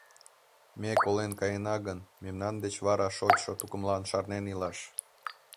Ме колен каена гын, мемнан деч вара шочшо тукымлан шарнен илаш.